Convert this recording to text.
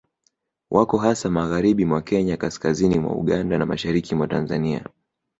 Wako hasa magharibi mwa Kenya kaskazini mwa Uganda na mashariki mwa Tanzania